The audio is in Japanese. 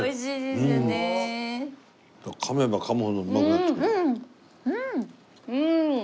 かめばかむほどうまくなってくる。